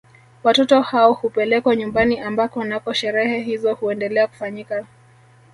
Watoto hao hupelekwa nyumbani ambako nako sherehe hizo huendelea kufanyika